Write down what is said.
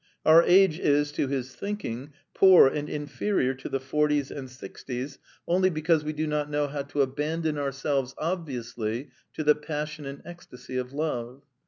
Our age is, to his thinking, poor and inferior to the forties and the sixties only because we do not know how to abandon ourselves obviously to the passion and ecstasy of love.